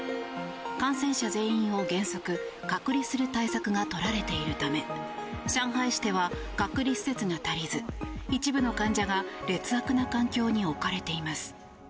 感染者全員を原則隔離する対策が取られているため上海市では隔離施設が足りず一部の患者が劣悪な環境に置かれています。